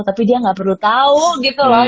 tapi dia gak perlu tau gitu loh